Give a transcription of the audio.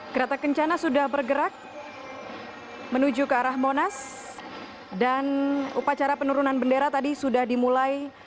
kereta kencana sudah bergerak menuju ke arah monas dan upacara penurunan bendera tadi sudah dimulai